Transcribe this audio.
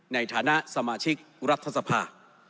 ในฐานะสมาชิกรัฐสภา